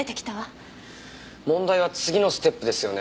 問題は次のステップですよね。